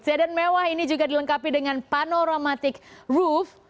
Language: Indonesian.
sedan mewah ini juga dilengkapi dengan panoramatic roof